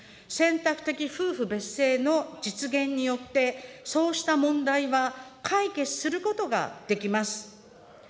選択的夫婦別姓の実現によって、そうした問題は解決することができます。